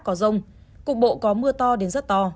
có rông cục bộ có mưa to đến rất to